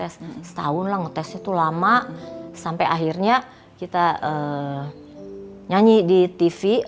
setahun lah ngetesnya tuh lama sampai akhirnya kita nyanyi di tv